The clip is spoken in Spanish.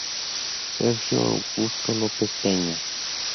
Sergio Augusto López Peña.